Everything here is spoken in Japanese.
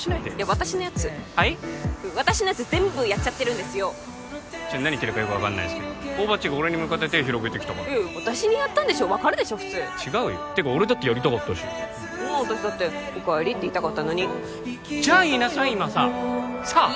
私のやつ全部やっちゃってるんですよちょっと何言ってるかよく分かんないんですけど大庭っちが俺に向かって手広げてきたから私にやったんでしょ分かるでしょ普通違うよてか俺だってやりたかったし私だって「おかえり」って言いたかったのにじゃあ言いなさい今ささあ！